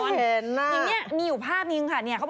เห็นอย่างนี้มีอยู่ภาพนึงค่ะเนี่ย